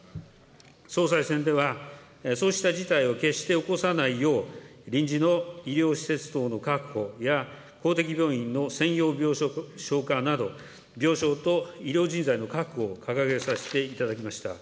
総裁選では、そうした事態を決して起こさないよう、臨時の医療施設等の確保や、公的病院の専用病床化など、病床と医療人材の確保を掲げさせていただきました。